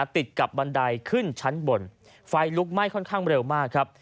ติดกับบันไดขึ้นชั้นบนไฟลุกไหม้ค่อนข้างเร็วมากครับ